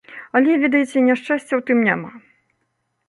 Але, ведаеце, няшчасця ў тым няма.